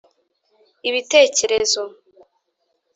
ibitekerezo